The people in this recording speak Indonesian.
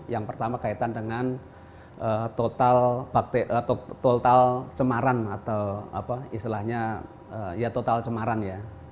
yang pertama kaitan dengan total cemaran atau apa istilahnya ya total cemaran ya